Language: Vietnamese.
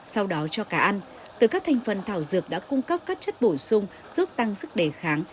sau đó cho cá ăn từ các thành phần thảo dược đã cung cấp các chất bổ sung giúp tăng sức đề kháng